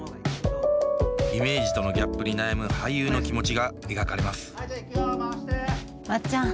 イメージとのギャップに悩む俳優の気持ちが描かれますまっちゃん。